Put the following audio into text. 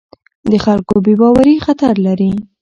د خلکو بې باوري خطر لري